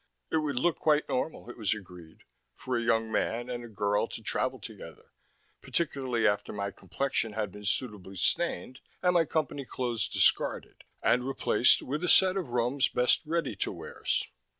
It would look quite normal, it was agreed, for a young man and a girl to travel together, particularly after my complexion had been suitably stained and my Company clothes discarded and replaced with a set of Rome's best ready to wears.